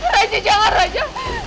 raja jangan raja